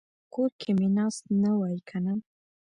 چې کور کې مې ناست نه وای کنه.